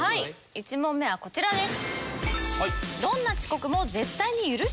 １問目はこちらです。